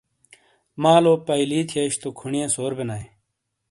مالِیو پَیئلی تھِیئش تو کھُونیئے سور بینائے۔